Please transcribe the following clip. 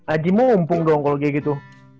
aji mau umpung dong kalo kayak gitu